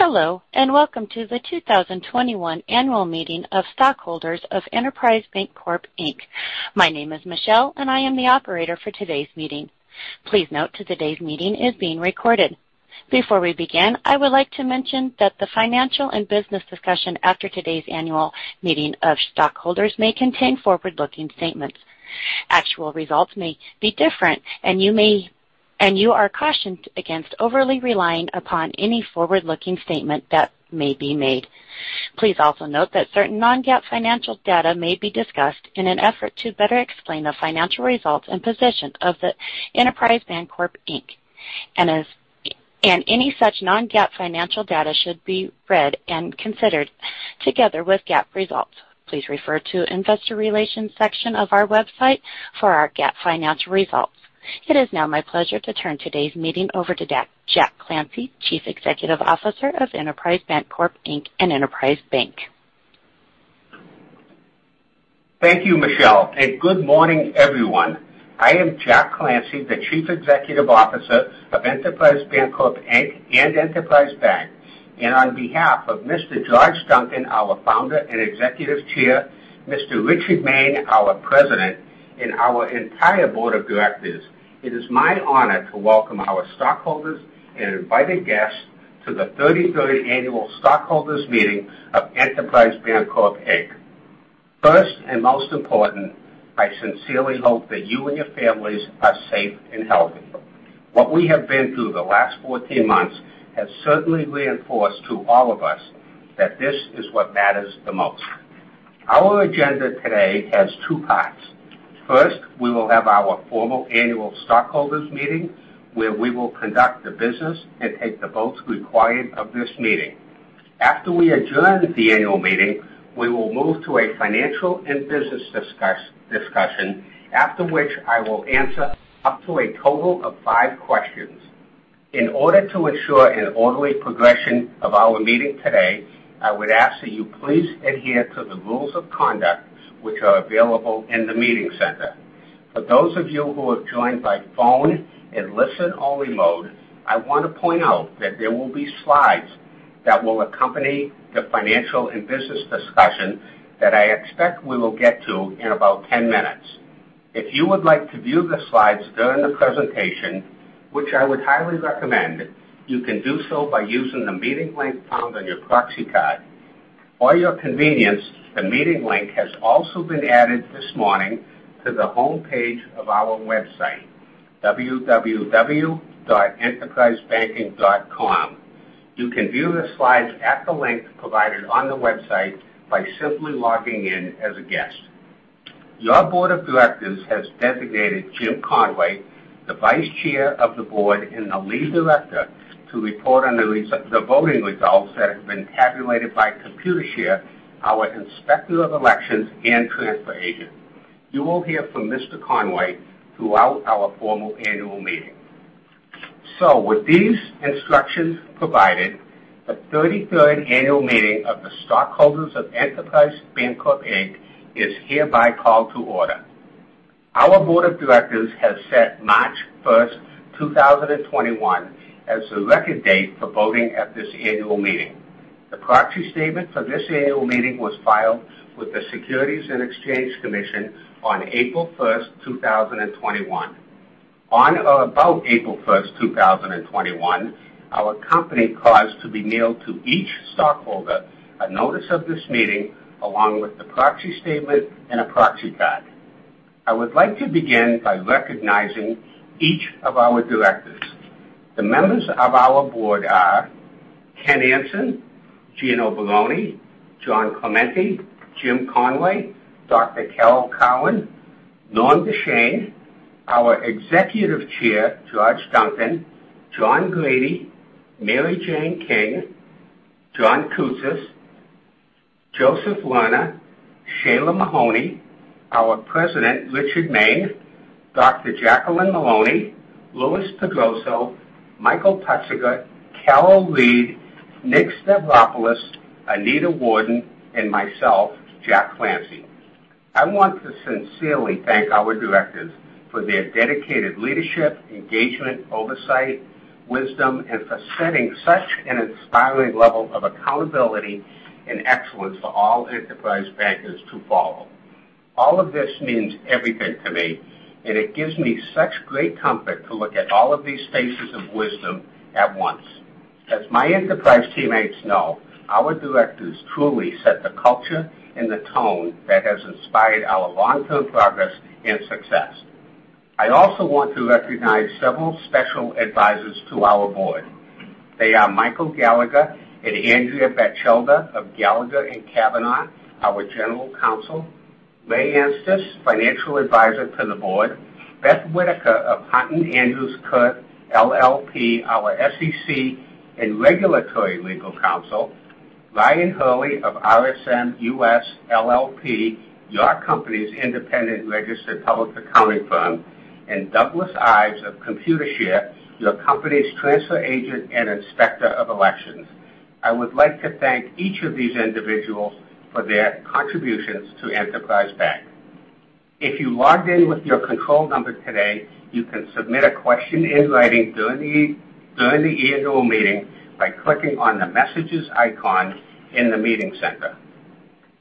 Hello, welcome to the 2021 annual meeting of stockholders of Enterprise Bancorp, Inc. My name is Michelle, and I am the operator for today's meeting. Please note that today's meeting is being recorded. Before we begin, I would like to mention that the financial and business discussion after today's annual meeting of stockholders may contain forward-looking statements. Actual results may be different, you are cautioned against overly relying upon any forward-looking statement that may be made. Please also note that certain non-GAAP financial data may be discussed in an effort to better explain the financial results and position of the Enterprise Bancorp, Inc., any such non-GAAP financial data should be read and considered together with GAAP results. Please refer to investor relations section of our website for our GAAP financial results. It is now my pleasure to turn today's meeting over to Jack Clancy, Chief Executive Officer of Enterprise Bancorp, Inc. and Enterprise Bank. Thank you, Michelle. Good morning, everyone. I am Jack Clancy, the Chief Executive Officer of Enterprise Bancorp, Inc. and Enterprise Bank, and on behalf of Mr. George Duncan, our founder and Executive Chair, Mr. Richard Main, our President, and our entire Board of Directors, it is my honor to welcome our stockholders and invited guests to the 33rd Annual Stockholders Meeting of Enterprise Bancorp, Inc. First, and most important, I sincerely hope that you and your families are safe and healthy. What we have been through the last 14 months has certainly reinforced to all of us that this is what matters the most. Our agenda today has two parts. First, we will have our formal Annual Stockholders Meeting, where we will conduct the business and take the votes required of this meeting. After we adjourn the annual meeting, we will move to a financial and business discussion, after which I will answer up to a total of five questions. In order to ensure an orderly progression of our meeting today, I would ask that you please adhere to the rules of conduct which are available in the meeting center. For those of you who have joined by phone in listen-only mode, I want to point out that there will be slides that will accompany the financial and business discussion that I expect we will get to in about 10 minutes. If you would like to view the slides during the presentation, which I would highly recommend, you can do so by using the meeting link found on your proxy card. For your convenience, the meeting link has also been added this morning to the homepage of our website, www.enterprisebanking.com. You can view the slides at the link provided on the website by simply logging in as a guest. Your Board of Directors has designated Jim Conway, the Vice Chair of the Board and the Lead Director, to report on the voting results that have been tabulated by Computershare, our inspector of elections and transfer agent. You will hear from Mr. Conway throughout our formal annual meeting. With these instructions provided, the 33rd annual meeting of the stockholders of Enterprise Bancorp, Inc. is hereby called to order. Our board of directors has set March 1st, 2021, as the record date for voting at this annual meeting. The proxy statement for this annual meeting was filed with the Securities and Exchange Commission on April 1st, 2021. On or about April 1st, 2021, our company caused to be mailed to each stockholder a notice of this meeting, along with the proxy statement and a proxy card. I would like to begin by recognizing each of our directors. The members of our board are Ken Ansin, Gino Baroni, John Clementi, Jim Conway, Dr. Carole Cowan, Normand Deschene, our Executive Chairman, George Duncan, John [Grady], Mary Jane King, John Koutsos, Joseph Lerner, Shelagh Mahoney, our President, Richard Main, Dr. Jacqueline Moloney, Luis Pedroso, Michael [Gallagher], Carol Reid, Nickolas Stavropoulos, Anita Worden, and myself, Jack Clancy. I want to sincerely thank our directors for their dedicated leadership, engagement, oversight, wisdom, and for setting such an inspiring level of accountability and excellence for all Enterprise bankers to follow. All of this means everything to me, and it gives me such great comfort to look at all of these faces of wisdom at once. As my Enterprise teammates know, our directors truly set the culture and the tone that has inspired our long-term progress and success. I also want to recognize several special advisors to our board. They are Michael Gallagher and Andrea Batchelder of Gallagher & Cavanaugh LLP, our general counsel, Ray Anstiss, financial advisor to the board, Beth Whitaker of Hunton Andrews Kurth LLP, our SEC and regulatory legal counsel, Ryan Hurley of RSM US LLP, your company's independent registered public accounting firm, and Douglas Ives of Computershare, your company's transfer agent and inspector of elections. I would like to thank each of these individuals for their contributions to Enterprise Bank. If you logged in with your control number today, you can submit a question in writing during the annual meeting by clicking on the Messages icon in the meeting center.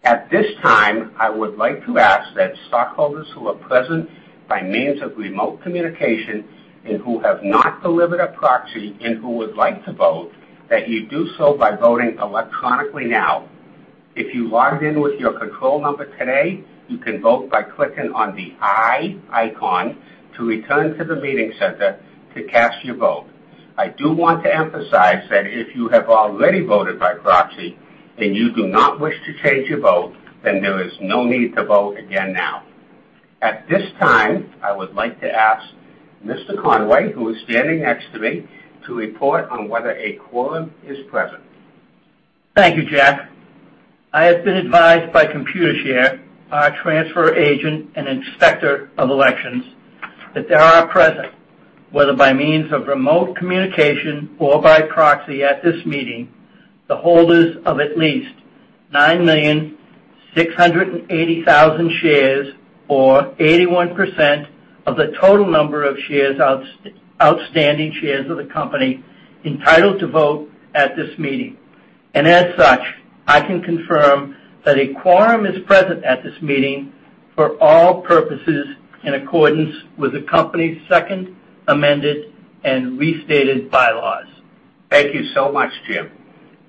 At this time, I would like to ask that stockholders who are present by means of remote communication and who have not delivered a proxy and who would like to vote, that you do so by voting electronically now. If you logged in with your control number today, you can vote by clicking on the "i" icon to return to the meeting center to cast your vote. I do want to emphasize that if you have already voted by proxy and you do not wish to change your vote, then there is no need to vote again now. At this time, I would like to ask Mr. Conway, who is standing next to me, to report on whether a quorum is present. Thank you, Jack. I have been advised by Computershare, our transfer agent and inspector of elections, that there are present, whether by means of remote communication or by proxy at this meeting, the holders of at least 9,680,000 shares, or 81% of the total number of outstanding shares of the company, entitled to vote at this meeting. As such, I can confirm that a quorum is present at this meeting for all purposes in accordance with the company's second amended and restated bylaws. Thank you so much, Jim.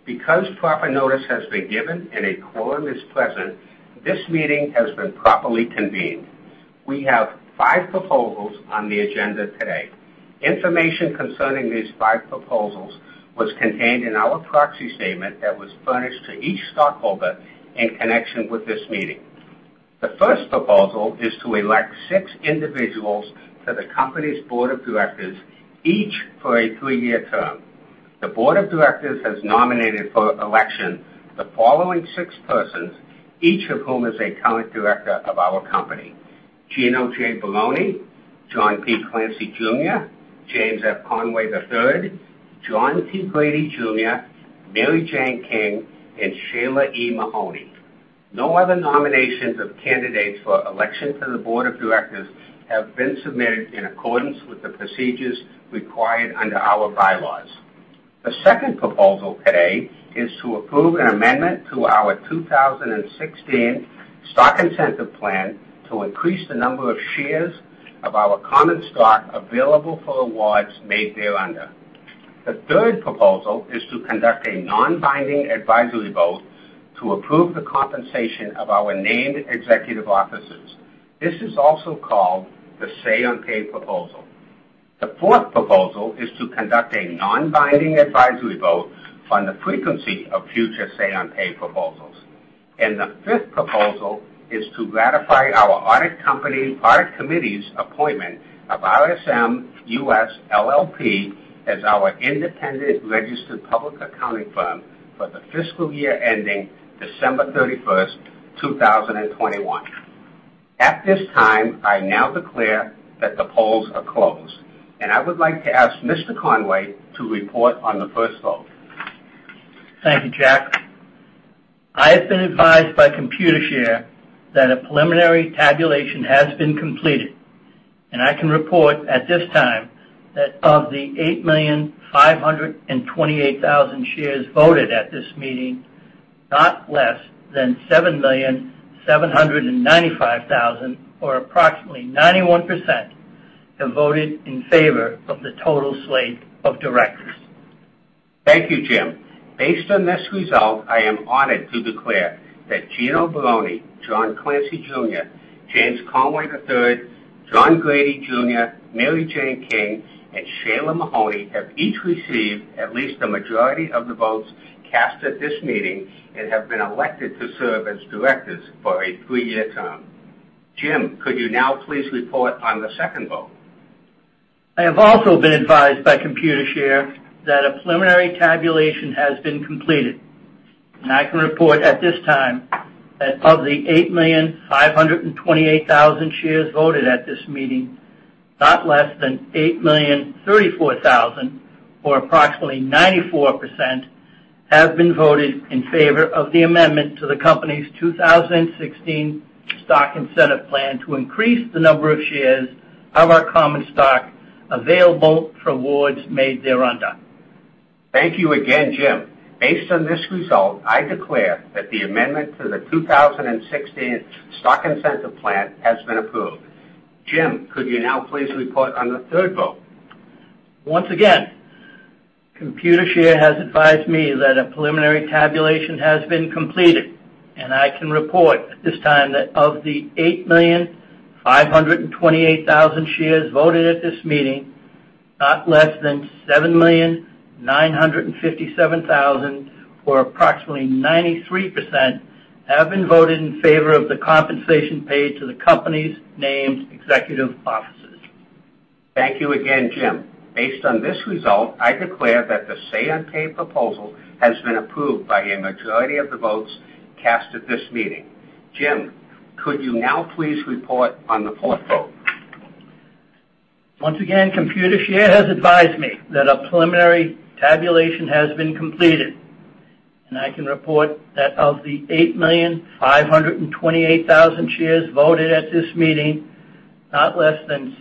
Because proper notice has been given and a quorum is present, this meeting has been properly convened. We have five proposals on the agenda today. Information concerning these five proposals was contained in our proxy statement that was furnished to each stockholder in connection with this meeting. The first proposal is to elect six individuals to the company's board of directors, each for a three-year term. The board of directors has nominated for election the following six persons, each of whom is a current director of our company: Gino Baroni, John P. Clancy Jr., James F. Conway III, John P. [Grady] Jr., Mary Jane King, and Shelagh E. Mahoney. No other nominations of candidates for election to the board of directors have been submitted in accordance with the procedures required under our bylaws. The second proposal today is to approve an amendment to our 2016 Stock Incentive Plan to increase the number of shares of our common stock available for awards made thereunder. The third proposal is to conduct a non-binding advisory vote to approve the compensation of our named executive officers. This is also called the Say on Pay proposal. The fourth proposal is to conduct a non-binding advisory vote on the frequency of future Say on Pay proposals. The fifth proposal is to ratify our audit committee's appointment of RSM US LLP as our independent registered public accounting firm for the fiscal year ending December 31, 2021. At this time, I now declare that the polls are closed, and I would like to ask Mr. Conway to report on the first vote. Thank you, Jack. I have been advised by Computershare that a preliminary tabulation has been completed. I can report at this time that of the 8,528,000 shares voted at this meeting, not less than 7,795,000, or approximately 91%, have voted in favor of the total slate of directors. Thank you, Jim. Based on this result, I am honored to declare that Gino Baroni, John Clancy Jr., James Conway III, John [Grady]Jr., Mary Jane King, and Shelagh E. Mahoney have each received at least a majority of the votes cast at this meeting and have been elected to serve as directors for a three-year term. Jim, could you now please report on the second vote? I have also been advised by Computershare that a preliminary tabulation has been completed, and I can report at this time that of the 8,528,000 shares voted at this meeting, not less than 8,034,000, or approximately 94%, have been voted in favor of the amendment to the company's 2016 Stock Incentive Plan to increase the number of shares of our common stock available for awards made thereunder. Thank you again, James F. Conway III. Based on this result, I declare that the amendment to the 2016 Stock Incentive Plan has been approved. James F. Conway III, could you now please report on the third vote? Once again, Computershare has advised me that a preliminary tabulation has been completed, and I can report at this time that of the 8,528,000 shares voted at this meeting, not less than 7,957,000, or approximately 93%, have been voted in favor of the compensation paid to the company's named executive officers. Thank you again, Jim. Based on this result, I declare that the Say on Pay proposal has been approved by a majority of the votes cast at this meeting. Jim, could you now please report on the fourth vote? Once again, Computershare has advised me that a preliminary tabulation has been completed, and I can report that of the 8,528,000 shares voted at this meeting, not less than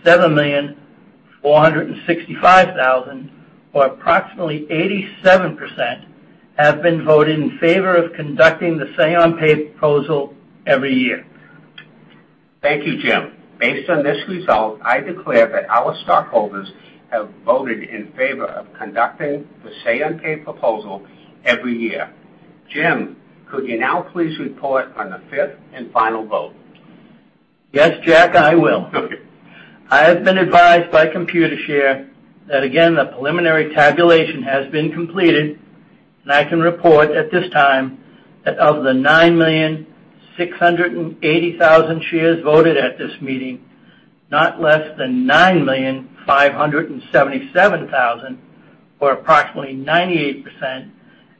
7,465,000, or approximately 87%, have been voted in favor of conducting the Say on Pay proposal every year. Thank you, Jim. Based on this result, I declare that our stockholders have voted in favor of conducting the Say on Pay proposal every year. Jim, could you now please report on the fifth and final vote? Yes, Jack, I will. Okay. I have been advised by Computershare that again, the preliminary tabulation has been completed, and I can report at this time that of the 9,680,000 shares voted at this meeting, not less than 9,577,000, or approximately 98%,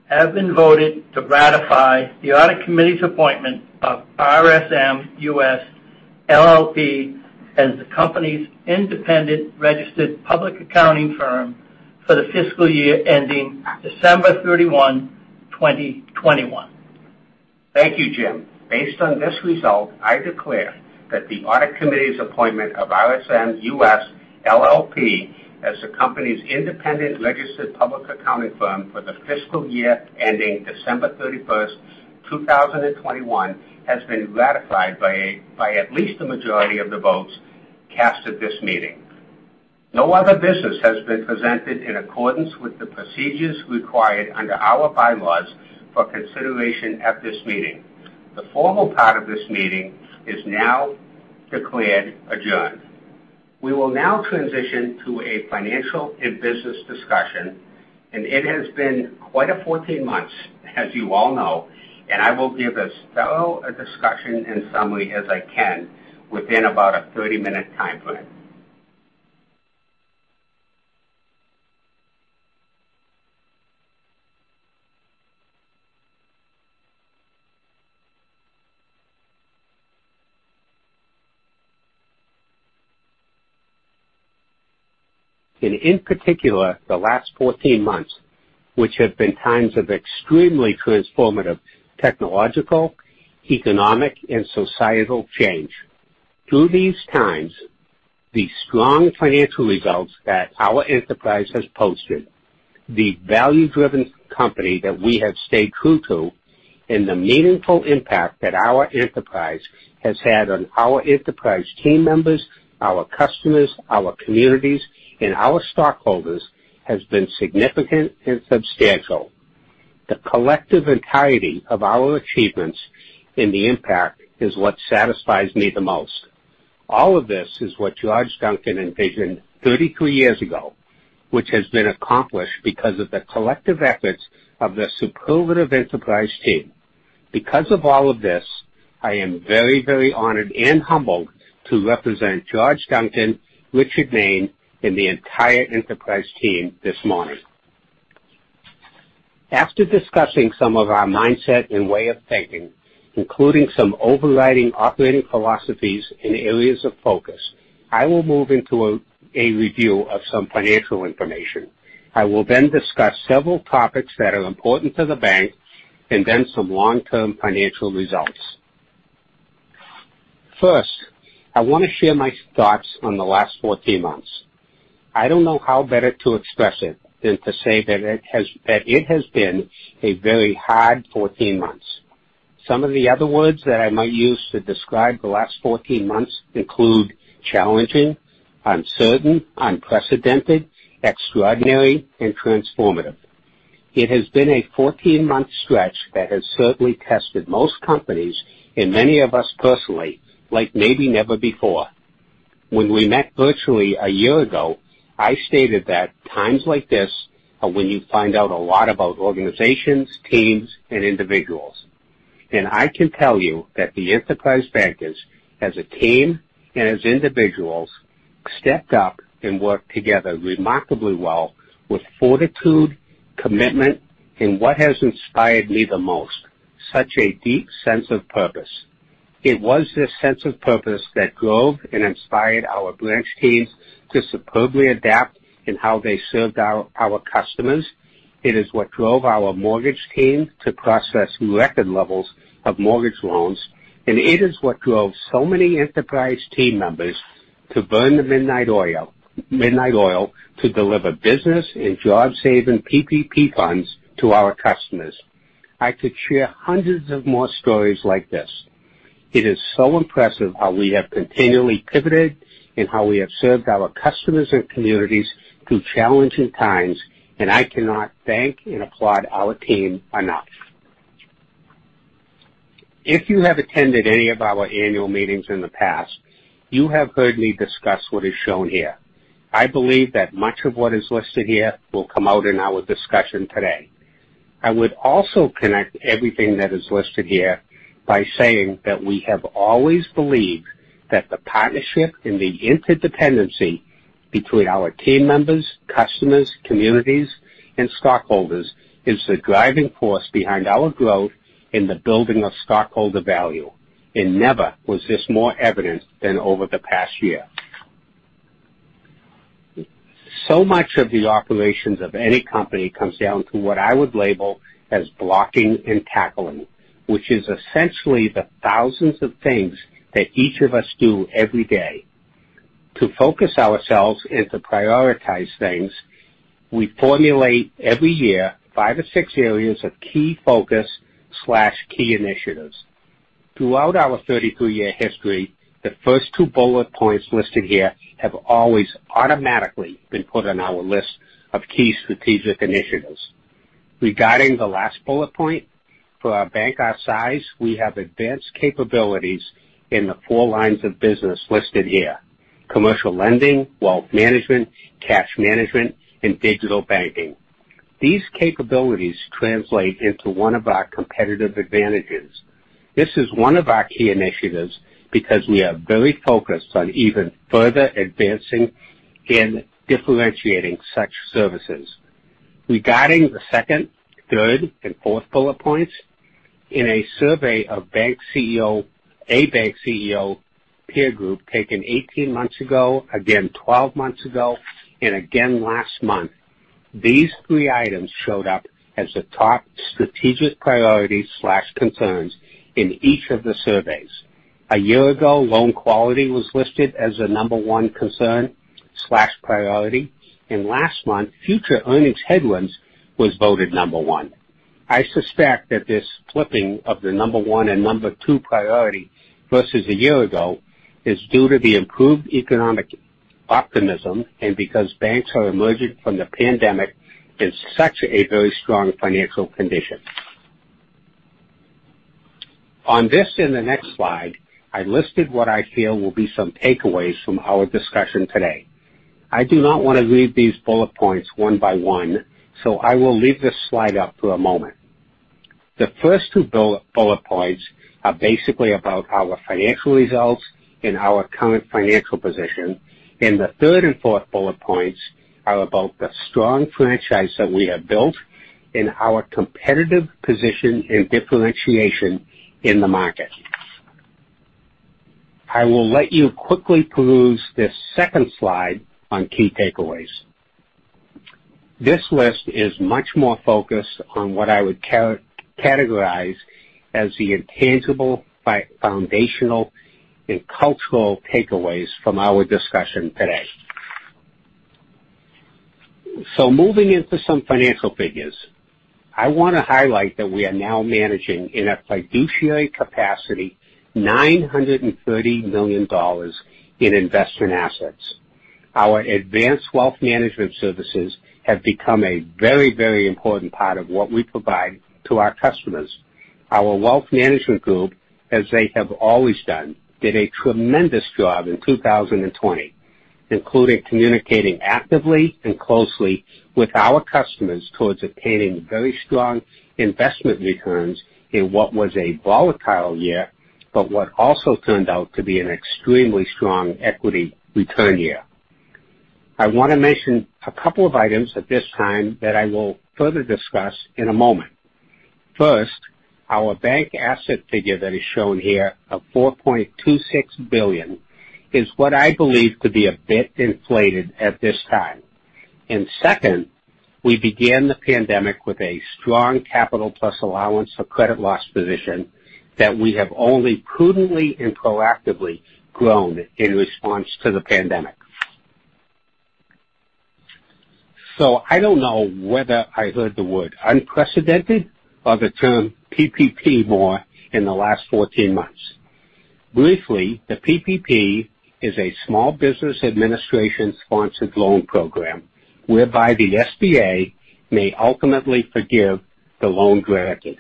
have been voted to ratify the audit committee's appointment of RSM US LLP as the company's independent registered public accounting firm for the fiscal year ending December 31, 2021. Thank you, Jim. Based on this result, I declare that the audit committee's appointment of RSM US LLP as the company's independent registered public accounting firm for the fiscal year ending December 31st, 2021, has been ratified by at least a majority of the votes cast at this meeting. No other business has been presented in accordance with the procedures required under our bylaws for consideration at this meeting. The formal part of this meeting is now declared adjourned. We will now transition to a financial and business discussion, and it has been quite a 14 months, as you all know, and I will give as thorough a discussion and summary as I can within about a 30-minute timeframe. In particular, the last 14 months, which have been times of extremely transformative technological, economic, and societal change. Through these times, the strong financial results that our Enterprise has posted, the value-driven company that we have stayed true to, and the meaningful impact that our Enterprise has had on our Enterprise team members, our customers, our communities, and our stockholders has been significant and substantial. The collective entirety of our achievements and the impact is what satisfies me the most. All of this is what George Duncan envisioned 33 years ago, which has been accomplished because of the collective efforts of the superlative Enterprise team. Because of all of this, I am very, very honored and humbled to represent George Duncan, Richard Main, and the entire Enterprise team this morning. After discussing some of our mindset and way of thinking, including some overriding operating philosophies and areas of focus, I will move into a review of some financial information. I will discuss several topics that are important to the bank and then some long-term financial results. First, I want to share my thoughts on the last 14 months. I don't know how better to express it than to say that it has been a very hard 14 months. Some of the other words that I might use to describe the last 14 months include challenging, uncertain, unprecedented, extraordinary, and transformative. It has been a 14-month stretch that has certainly tested most companies and many of us personally, like maybe never before. When we met virtually a year ago, I stated that times like this are when you find out a lot about organizations, teams, and individuals. I can tell you that the Enterprise Bankers, as a team and as individuals, stepped up and worked together remarkably well with fortitude, commitment, and what has inspired me the most, such a deep sense of purpose. It was this sense of purpose that drove and inspired our branch teams to superbly adapt in how they served our customers. It is what drove our mortgage team to process record levels of mortgage loans, and it is what drove so many Enterprise team members to burn the midnight oil to deliver business and job-saving PPP funds to our customers. I could share hundreds of more stories like this. It is so impressive how we have continually pivoted and how we have served our customers and communities through challenging times, and I cannot thank and applaud our team enough. If you have attended any of our annual meetings in the past, you have heard me discuss what is shown here. I believe that much of what is listed here will come out in our discussion today. I would also connect everything that is listed here by saying that we have always believed that the partnership and the interdependency between our team members, customers, communities, and stockholders is the driving force behind our growth in the building of stockholder value. Never was this more evident than over the past year. Much of the operations of any company comes down to what I would label as blocking and tackling, which is essentially the thousands of things that each of us do every day. To focus ourselves and to prioritize things, we formulate every year five to six areas of key focus/key initiatives. Throughout our 33-year history, the first two bullet points listed here have always automatically been put on our list of key strategic initiatives. Regarding the last bullet point, for a bank our size, we have advanced capabilities in the four lines of business listed here, commercial lending, wealth management, cash management, and digital banking. These capabilities translate into one of our competitive advantages. This is one of our key initiatives because we are very focused on even further advancing in differentiating such services. Regarding the second, third, and fourth bullet points, in a survey of a bank CEO peer group taken 18 months ago, again 12 months ago, and again last month, these three items showed up as the top strategic priorities/concerns in each of the surveys. A year ago, loan quality was listed as a number one concern/priority, and last month, future earnings headwinds was voted number one. I suspect that this flipping of the number one and number two priority versus a year ago is due to the improved economic optimism and because banks are emerging from the pandemic in such a very strong financial condition. On this and the next slide, I listed what I feel will be some takeaways from our discussion today. I do not want to read these bullet points one by one, so I will leave this slide up for a moment. The first two bullet points are basically about our financial results and our current financial position. The third and fourth bullet points are about the strong franchise that we have built and our competitive position and differentiation in the market. I will let you quickly peruse this second slide on key takeaways. This list is much more focused on what I would categorize as the intangible, foundational, and cultural takeaways from our discussion today. Moving into some financial figures, I want to highlight that we are now managing, in a fiduciary capacity, $930 million in investment assets. Our advanced wealth management services have become a very important part of what we provide to our customers. Our wealth management group, as they have always done, did a tremendous job in 2020, including communicating actively and closely with our customers towards attaining very strong investment returns in what was a volatile year, but what also turned out to be an extremely strong equity return year. I want to mention a couple of items at this time that I will further discuss in a moment. First, our bank asset figure that is shown here of $4.26 billion is what I believe to be a bit inflated at this time. Second, we began the pandemic with a strong capital plus allowance for credit loss position that we have only prudently and proactively grown in response to the pandemic. I don't know whether I heard the word unprecedented or the term PPP more in the last 14 months. Briefly, the PPP is a Small Business Administration-sponsored loan program whereby the SBA may ultimately forgive the loan granted.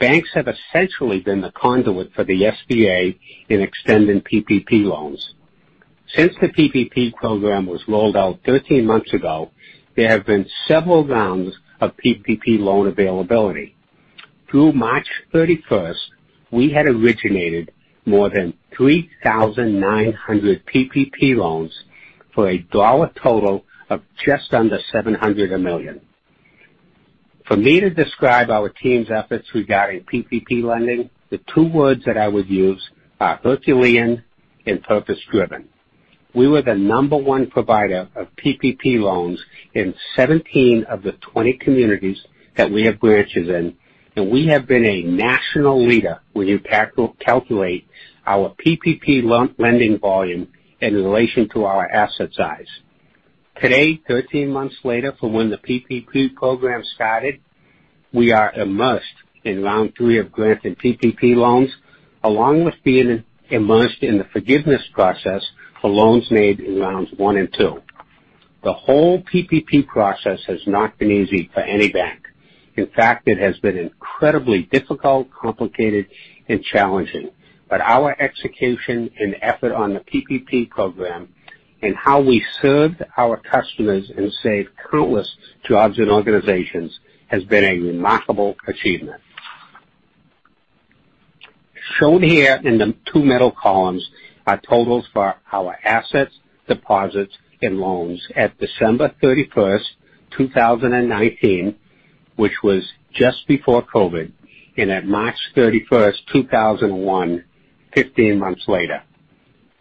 Banks have essentially been the conduit for the SBA in extending PPP loans. Since the PPP program was rolled out 13 months ago, there have been several rounds of PPP loan availability. Through March 31st, we had originated more than 3,900 PPP loans for a total of just under $700 million. For me to describe our team's efforts regarding PPP lending, the two words that I would use are Herculean and purpose-driven. We were the number 1 provider of PPP loans in 17 of the 20 communities that we have branches in, and we have been a national leader when you calculate our PPP lending volume in relation to our asset size. Today, 13 months later from when the PPP program started, we are immersed in round 3 of granting PPP loans, along with being immersed in the forgiveness process for loans made in rounds 1 and 2. The whole PPP process has not been easy for any bank. In fact, it has been incredibly difficult, complicated, and challenging. Our execution and effort on the PPP program and how we served our customers and saved countless jobs and organizations has been a remarkable achievement. Shown here in the two middle columns are totals for our assets, deposits, and loans at December 31st, 2019, which was just before COVID-19, and at March 31st, 2021, 15 months later.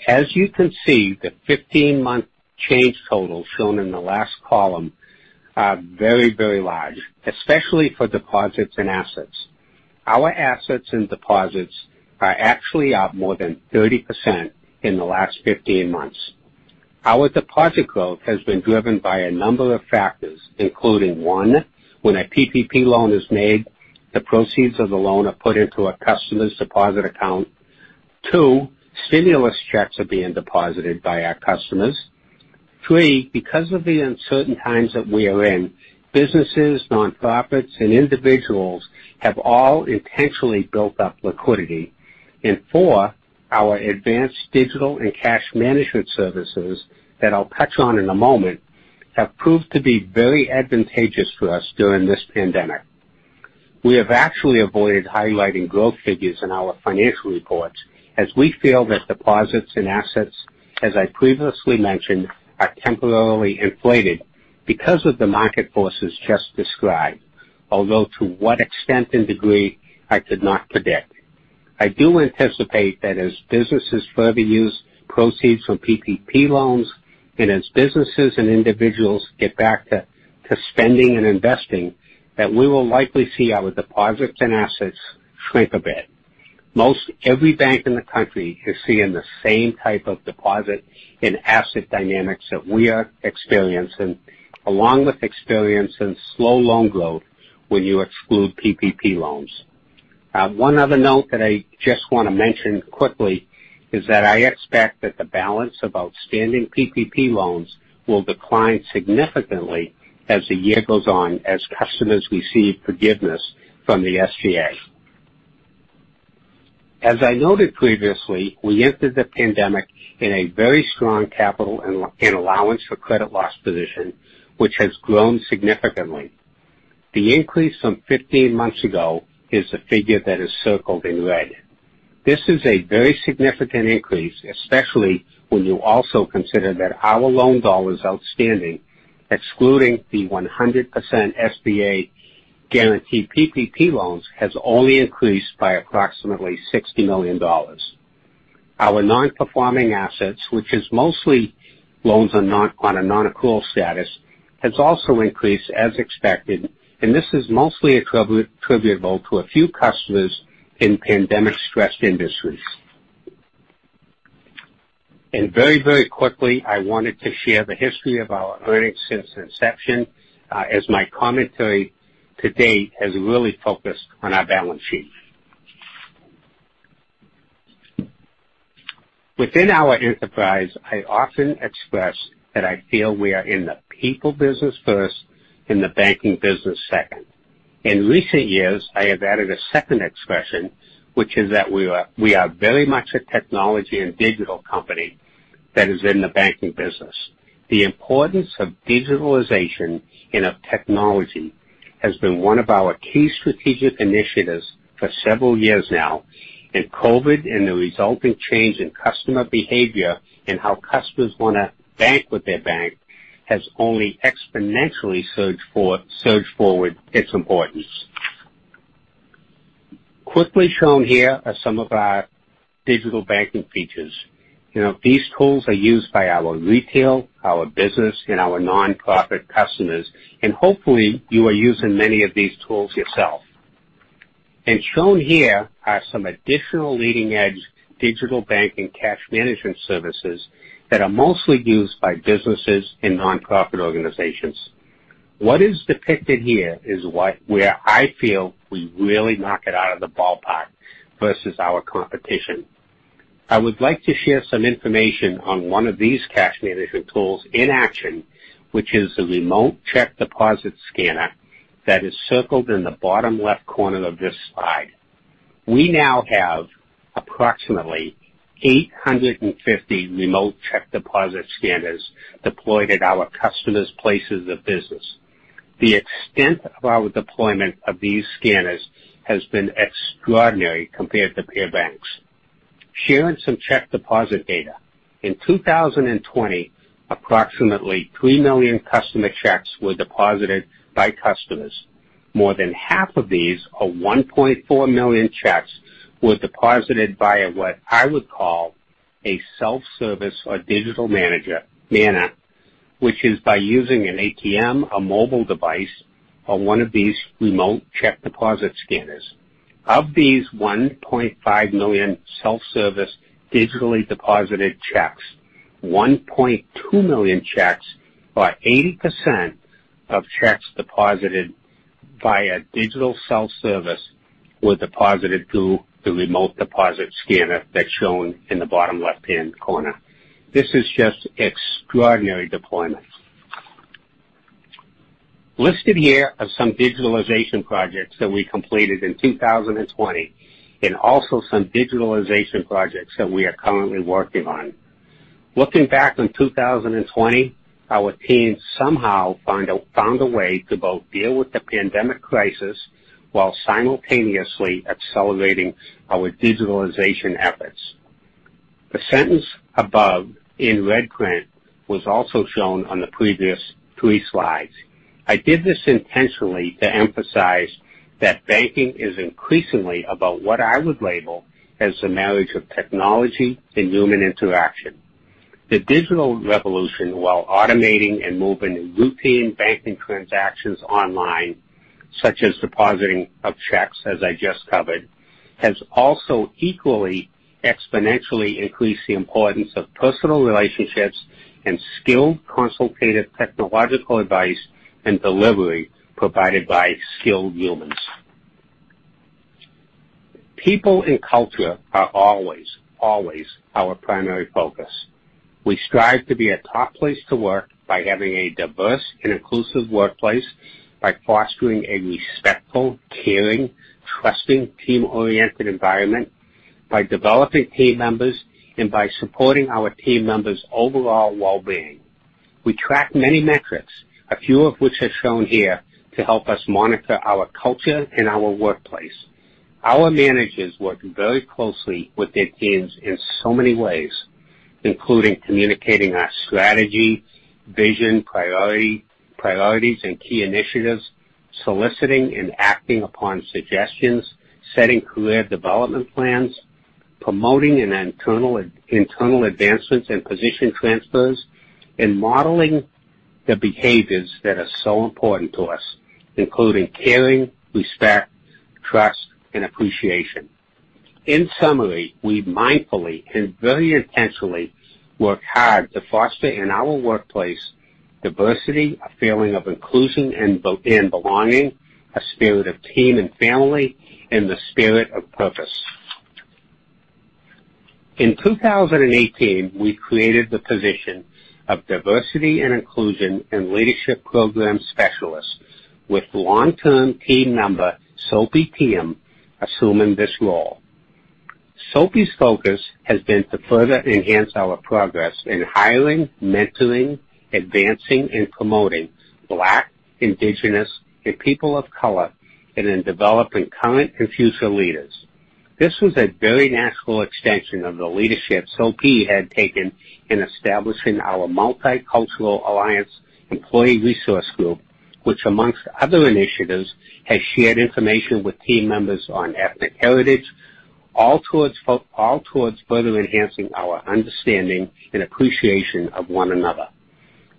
As you can see, the 15-month change total shown in the last column are very, very large, especially for deposits and assets. Our assets and deposits are actually up more than 30% in the last 15 months. Our deposit growth has been driven by a number of factors, including, one, when a PPP loan is made, the proceeds of the loan are put into a customer's deposit account. Two, stimulus checks are being deposited by our customers. Three, because of the uncertain times that we are in, businesses, nonprofits, and individuals have all intentionally built up liquidity. Four, our advanced digital and cash management services that I'll touch on in a moment, have proved to be very advantageous for us during this pandemic. We have actually avoided highlighting growth figures in our financial reports as we feel that deposits and assets, as I previously mentioned, are temporarily inflated because of the market forces just described. Although to what extent and degree, I could not predict. I do anticipate that as businesses further use proceeds from PPP loans and as businesses and individuals get back to spending and investing, that we will likely see our deposits and assets shrink a bit. Most every bank in the country is seeing the same type of deposit and asset dynamics that we are experiencing, along with experiencing slow loan growth when you exclude PPP loans. One other note that I just want to mention quickly is that I expect that the balance of outstanding PPP loans will decline significantly as the year goes on, as customers receive forgiveness from the SBA. As I noted previously, we entered the pandemic in a very strong capital and allowance for credit loss position, which has grown significantly. The increase from 15 months ago is the figure that is circled in red. This is a very significant increase, especially when you also consider that our loan dollars outstanding, excluding the 100% SBA guaranteed PPP loans, has only increased by approximately $60 million. Our non-performing assets, which is mostly loans on a non-accrual status, has also increased as expected, and this is mostly attributable to a few customers in pandemic-stressed industries. Very, very quickly, I wanted to share the history of our earnings since inception, as my commentary to date has really focused on our balance sheet. Within our Enterprise, I often express that I feel we are in the people business first and the banking business second. In recent years, I have added a second expression, which is that we are very much a technology and digital company that is in the banking business. The importance of digitalization and of technology has been one of our key strategic initiatives for several years now, and COVID-19 and the resulting change in customer behavior and how customers want to bank with their bank has only exponentially surged forward its importance. Quickly shown here are some of our digital banking features. These tools are used by our retail, our business, and our nonprofit customers. Hopefully, you are using many of these tools yourself. Shown here are some additional leading-edge digital banking cash management services that are mostly used by businesses and nonprofit organizations. What is depicted here is where I feel we really knock it out of the ballpark versus our competition. I would like to share some information on one of these cash management tools in action, which is the remote check deposit scanner that is circled in the bottom left corner of this slide. We now have approximately 850 remote check deposit scanners deployed at our customers' places of business. The extent of our deployment of these scanners has been extraordinary compared to peer banks. Sharing some check deposit data. In 2020, approximately 3 million customer checks were deposited by customers. More than half of these, or 1.4 million checks, were deposited via what I would call a self-service or digital manner, which is by using an ATM, a mobile device, or one of these remote check deposit scanners. Of these 1.5 million self-service digitally deposited checks, 1.2 million checks, or 80% of checks deposited via digital self-service, were deposited through the remote deposit scanner that's shown in the bottom left-hand corner. This is just extraordinary deployment. Listed here are some digitalization projects that we completed in 2020 and also some digitalization projects that we are currently working on. Looking back on 2020, our team somehow found a way to both deal with the pandemic crisis while simultaneously accelerating our digitalization efforts. The sentence above in red print was also shown on the previous three slides. I did this intentionally to emphasize that banking is increasingly about what I would label as the marriage of technology and human interaction. The digital revolution, while automating and moving routine banking transactions online, such as depositing of checks, as I just covered, has also equally exponentially increased the importance of personal relationships and skilled consultative technological advice and delivery provided by skilled humans. People and culture are always our primary focus. We strive to be a top place to work by having a diverse and inclusive workplace, by fostering a respectful, caring, trusting, team-oriented environment, by developing team members, and by supporting our team members' overall well-being. We track many metrics, a few of which are shown here, to help us monitor our culture and our workplace. Our managers work very closely with their teams in so many ways, including communicating our strategy, vision, priorities, and key initiatives, soliciting and acting upon suggestions, setting career development plans, promoting internal advancements and position transfers, and modeling the behaviors that are so important to us, including caring, respect, trust, and appreciation. In summary, we mindfully and very intentionally work hard to foster in our workplace diversity, a feeling of inclusion and belonging, a spirit of team and family, and the spirit of purpose. In 2018, we created the position of diversity and inclusion and leadership program specialist with long-term team member, Sophy Theam, assuming this role. Sophy's focus has been to further enhance our progress in hiring, mentoring, advancing, and promoting Black, Indigenous, and people of color, and in developing current and future leaders. This was a very natural extension of the leadership Sophy had taken in establishing our Multicultural Alliance employee resource group, which, amongst other initiatives, has shared information with team members on ethnic heritage, all towards further enhancing our understanding and appreciation of one another.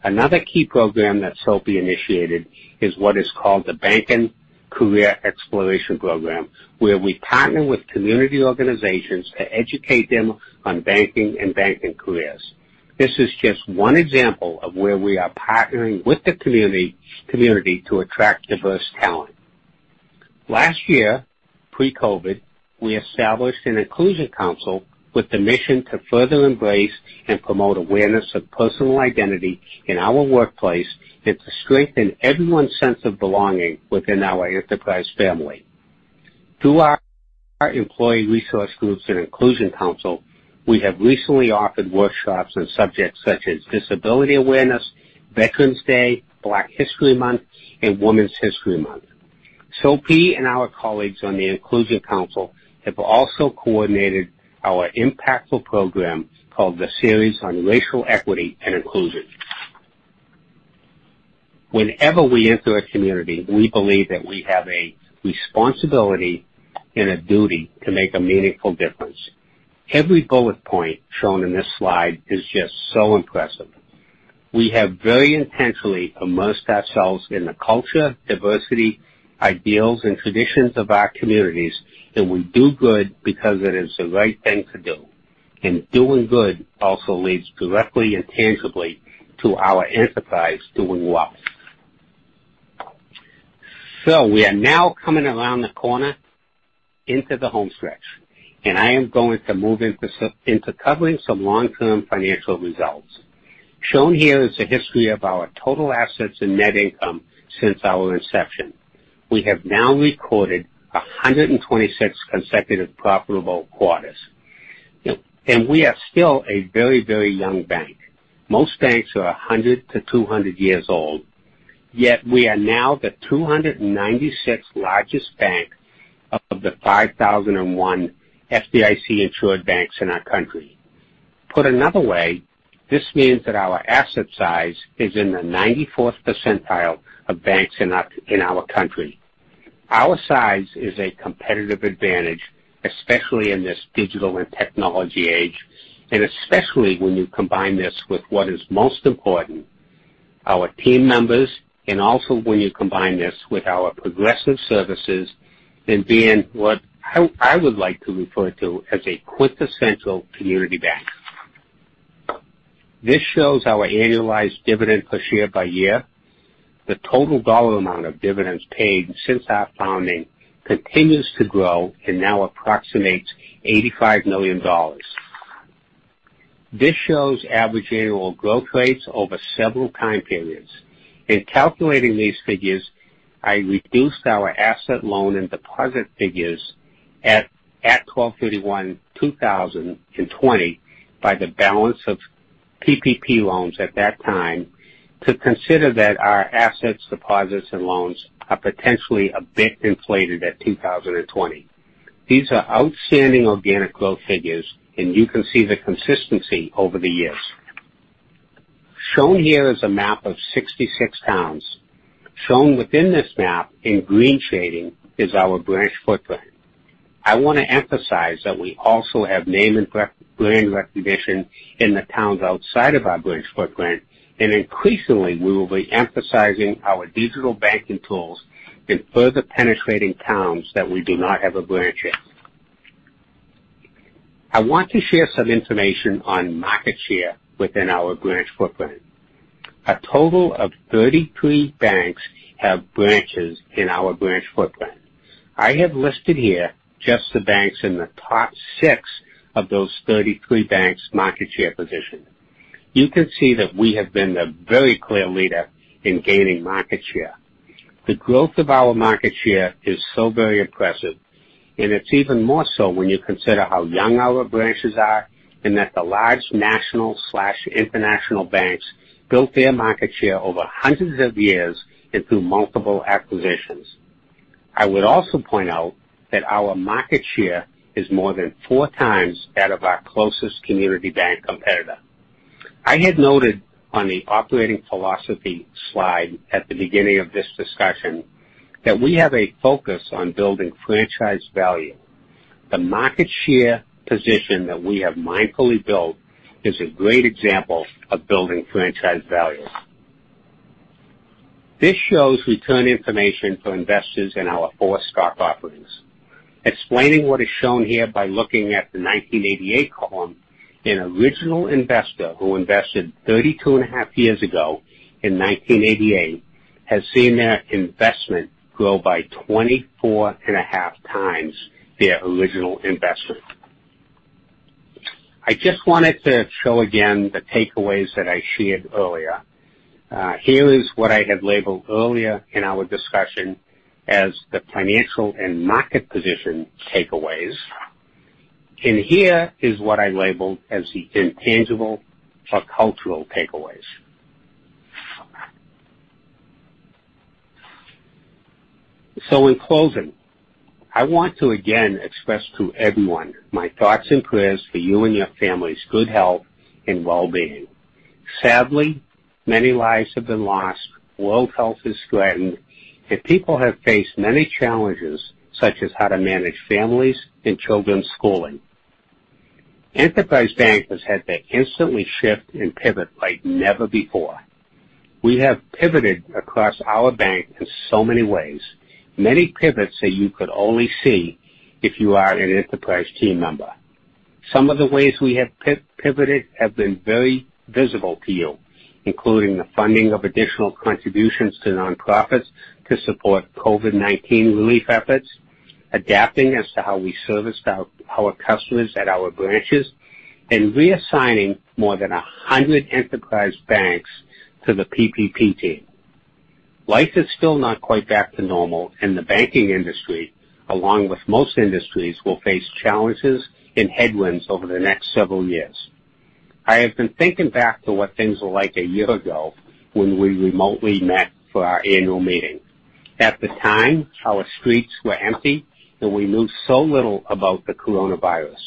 Another key program that Sophy initiated is what is called the Banking Career Exploration Program, where we partner with community organizations to educate them on banking and banking careers. This is just one example of where we are partnering with the community to attract diverse talent. Last year, pre-COVID, we established an inclusion council with the mission to further embrace and promote awareness of personal identity in our workplace and to strengthen everyone's sense of belonging within our Enterprise family. Through our employee resource groups and inclusion council, we have recently offered workshops on subjects such as disability awareness, Veterans Day, Black History Month, and Women's History Month. Sophy and our colleagues on the inclusion council have also coordinated our impactful program called the Series on Racial Equity and Inclusion. Whenever we enter a community, we believe that we have a responsibility and a duty to make a meaningful difference. Every bullet point shown in this slide is just so impressive. We have very intentionally immersed ourselves in the culture, diversity, ideals, and traditions of our communities, we do good because it is the right thing to do. Doing good also leads directly and tangibly to our Enterprise doing well. We are now coming around the corner into the homestretch, I am going to move into covering some long-term financial results. Shown here is the history of our total assets and net income since our inception. We have now recorded 126 consecutive profitable quarters, and we are still a very, very young bank. Most banks are 100 to 200 years old, yet we are now the 296th largest bank of the 5,001 FDIC-insured banks in our country. Put another way, this means that our asset size is in the 94th percentile of banks in our country. Our size is a competitive advantage, especially in this digital and technology age, and especially when you combine this with what is most important, our team members, and also when you combine this with our progressive services in being what I would like to refer to as a quintessential community bank. This shows our annualized dividend per share by year. The total dollar amount of dividends paid since our founding continues to grow and now approximates $85 million. This shows average annual growth rates over several time periods. In calculating these figures, I reduced our asset loan and deposit figures at 12/31/2020 by the balance of PPP loans at that time to consider that our assets, deposits, and loans are potentially a bit inflated at 2020. These are outstanding organic growth figures, and you can see the consistency over the years. Shown here is a map of 66 towns. Shown within this map in green shading is our branch footprint. I want to emphasize that we also have name and brand recognition in the towns outside of our branch footprint, and increasingly, we will be emphasizing our digital banking tools in further penetrating towns that we do not have a branch in. I want to share some information on market share within our branch footprint. A total of 33 banks have branches in our branch footprint. I have listed here just the banks in the top six of those 33 banks' market share position. You can see that we have been the very clear leader in gaining market share. The growth of our market share is so very impressive, and it's even more so when you consider how young our branches are and that the large national/international banks built their market share over hundreds of years and through multiple acquisitions. I would also point out that our market share is more than four times that of our closest community bank competitor. I had noted on the operating philosophy slide at the beginning of this discussion that we have a focus on building franchise value. The market share position that we have mindfully built is a great example of building franchise value. This shows return information for investors in our four stock offerings. Explaining what is shown here by looking at the 1988 column, an original investor who invested 32 and a half years ago in 1988 has seen their investment grow by 24 and a half times their original investment. I just wanted to show again the takeaways that I shared earlier. Here is what I had labeled earlier in our discussion as the financial and market position takeaways, and here is what I labeled as the intangible or cultural takeaways. In closing, I want to again express to everyone my thoughts and prayers for you and your families' good health and wellbeing. Sadly, many lives have been lost, world health is threatened, and people have faced many challenges, such as how to manage families and children's schooling. Enterprise Bank has had to instantly shift and pivot like never before. We have pivoted across our bank in so many ways, many pivots that you could only see if you are an Enterprise team member. Some of the ways we have pivoted have been very visible to you, including the funding of additional contributions to nonprofits to support COVID-19 relief efforts, adapting as to how we serviced our customers at our branches, and reassigning more than 100 Enterprise bankers to the PPP team. Life is still not quite back to normal, and the banking industry, along with most industries, will face challenges and headwinds over the next several years. I have been thinking back to what things were like a year ago when we remotely met for our annual meeting. At the time, our streets were empty, and we knew so little about the coronavirus.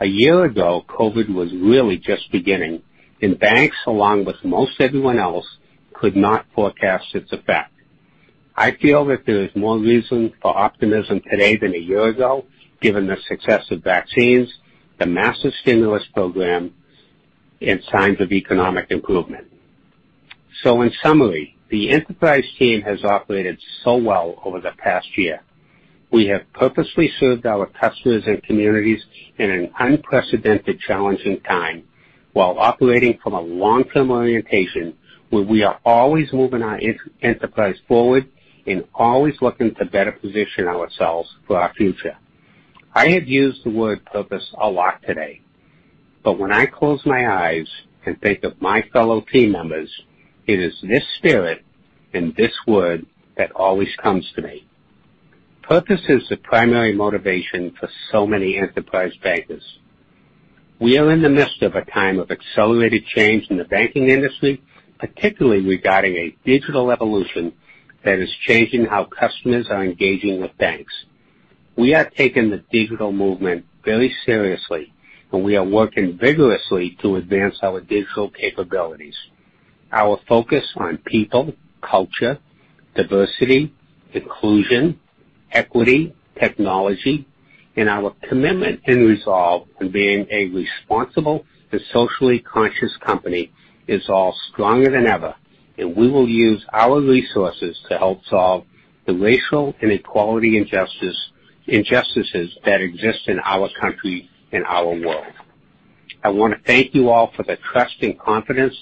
A year ago, COVID was really just beginning, and banks, along with most everyone else, could not forecast its effect. I feel that there is more reason for optimism today than a year ago, given the success of vaccines, the massive stimulus program, and signs of economic improvement. In summary, the Enterprise team has operated so well over the past year. We have purposely served our customers and communities in an unprecedented challenging time while operating from a long-term orientation where we are always moving our Enterprise forward and always looking to better position ourselves for our future. I have used the word purpose a lot today, but when I close my eyes and think of my fellow team members, it is this spirit and this word that always comes to me. Purpose is the primary motivation for so many Enterprise bankers. We are in the midst of a time of accelerated change in the banking industry, particularly regarding a digital evolution that is changing how customers are engaging with banks. We are taking the digital movement very seriously, and we are working vigorously to advance our digital capabilities. Our focus on people, culture, diversity, inclusion, equity, technology, and our commitment and resolve in being a responsible and socially conscious company is all stronger than ever, and we will use our resources to help solve the racial inequality injustices that exist in our country and our world. I want to thank you all for the trust and confidence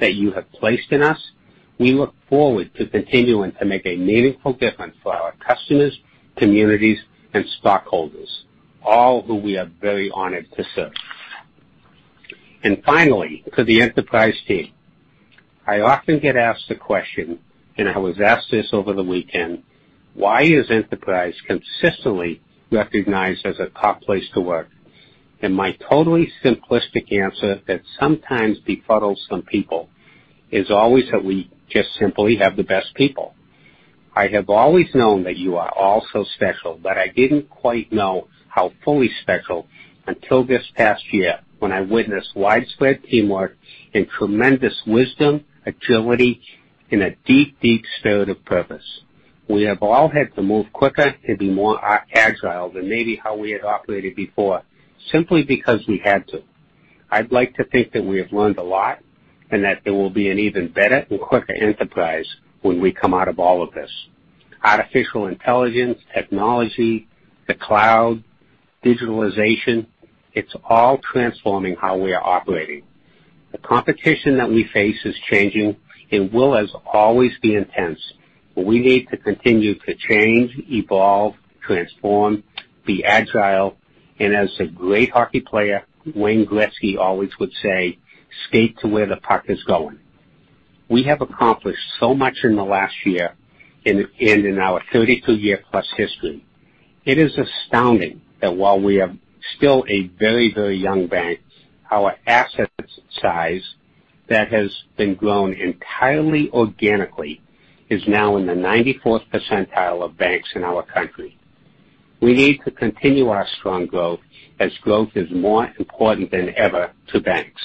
that you have placed in us. We look forward to continuing to make a meaningful difference for our customers, communities, and stockholders, all who we are very honored to serve. Finally, to the Enterprise team. I often get asked the question, and I was asked this over the weekend, why is Enterprise consistently recognized as a top place to work? My totally simplistic answer that sometimes befuddles some people is always that we just simply have the best people. I have always known that you are all so special, but I didn't quite know how fully special until this past year when I witnessed widespread teamwork and tremendous wisdom, agility, and a deep, deep spirit of purpose. We have all had to move quicker and be more agile than maybe how we had operated before, simply because we had to. I'd like to think that we have learned a lot, and that there will be an even better and quicker Enterprise when we come out of all of this. Artificial intelligence, technology, the cloud, digitalization, it's all transforming how we are operating. The competition that we face is changing and will as always be intense. We need to continue to change, evolve, transform, be agile, and as the great hockey player, Wayne Gretzky always would say, "Skate to where the puck is going." We have accomplished so much in the last year and in our 32 year plus history. It is astounding that while we are still a very, very young bank, our asset size that has been grown entirely organically is now in the 94th percentile of banks in our country. We need to continue our strong growth as growth is more important than ever to banks.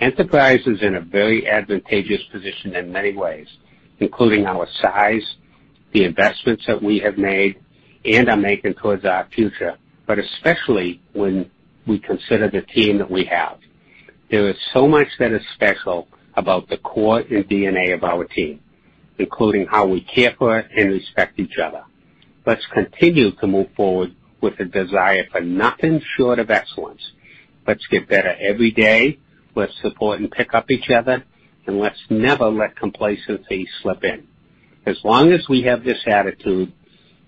Enterprise is in a very advantageous position in many ways, including our size, the investments that we have made, and are making towards our future, but especially when we consider the team that we have. There is so much that is special about the core and DNA of our team, including how we care for and respect each other. Let's continue to move forward with a desire for nothing short of excellence. Let's get better every day, let's support and pick up each other, and let's never let complacency slip in. As long as we have this attitude,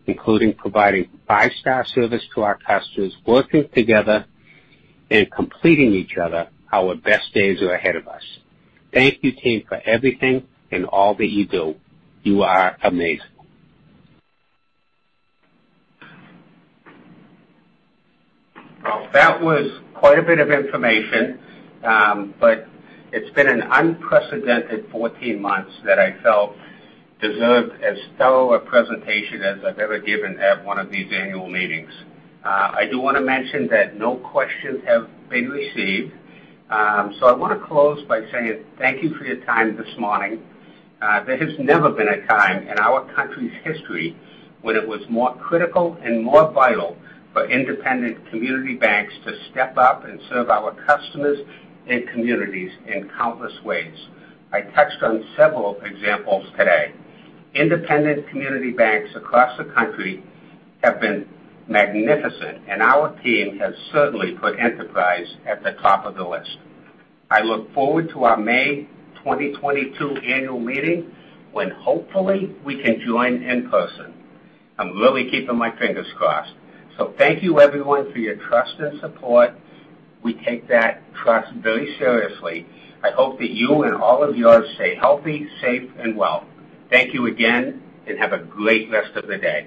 including providing five-star service to our customers, working together, and completing each other, our best days are ahead of us. Thank you, team, for everything and all that you do. You are amazing. Well, that was quite a bit of information, but it's been an unprecedented 14 months that I felt deserved as stellar a presentation as I've ever given at one of these annual meetings. I do want to mention that no questions have been received, so I want to close by saying thank you for your time this morning. There has never been a time in our country's history when it was more critical and more vital for independent community banks to step up and serve our customers and communities in countless ways. I touched on several examples today. Independent community banks across the country have been magnificent, and our team has certainly put Enterprise at the top of the list. I look forward to our May 2022 annual meeting, when hopefully we can join in person. I'm really keeping my fingers crossed. Thank you everyone for your trust and support. We take that trust very seriously. I hope that you and all of yours stay healthy, safe, and well. Thank you again, and have a great rest of the day.